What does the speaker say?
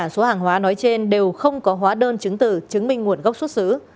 số hàng hóa nói trên đều không có hóa đơn chứng từ chứng minh nguồn gốc xuất xứ